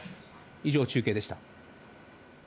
以上、中継でした。